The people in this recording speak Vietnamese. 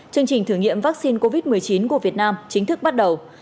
chương trình thử nghiệm vaccine covid một mươi chín của việt nam chính thức bắt đầu